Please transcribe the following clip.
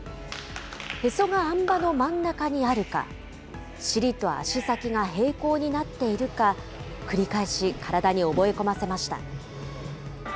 へそがあん馬のまん中にあるか、尻と足先が平行になっているか、繰り返し体に覚え込ませました。